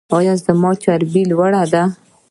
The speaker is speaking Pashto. ایا زما چربي لوړه ده؟